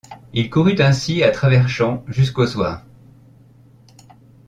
Il courut ainsi à travers champs jusqu’au soir.